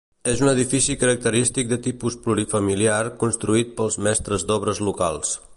És un edifici característic de tipus plurifamiliar, construït pels mestres d'obres locals.